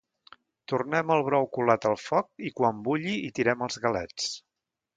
Tornem el brou colat al foc i quan bulli hi tirem els galets.